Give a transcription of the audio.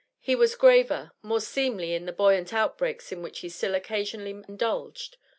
He was graver, more seemly in the buoyant outbreaks in which he still occasionally indulged.